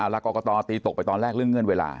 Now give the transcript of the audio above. แล้วกรกตตีตกไปตอนแรกเรื่องเงื่อนเวลา